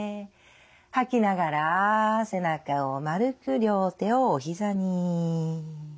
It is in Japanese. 吐きながら背中を丸く両手をおひざに。